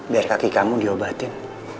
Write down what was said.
biar kaki kamu diobatin